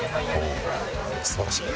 素晴らしい。